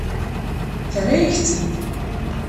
Terra-yak-tt-id.